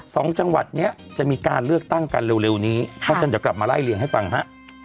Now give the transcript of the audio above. สองจังหวัดเนี้ยจะมีการเลือกตั้งกันเร็วนี้เพราะฉะนั้นเดี๋ยวกลับมาไล่เลี่ยงให้ฟังฮะ